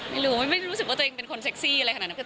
ไม่รู้ไม่ได้รู้สึกว่าตัวเองเป็นคนเซ็กซี่อะไรขนาดนั้น